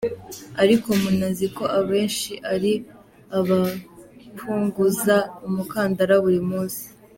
Ariko munazi ko abenshi ari abapunguza umukandara buli munsi.